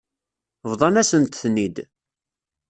Bḍan-asent-ten-id.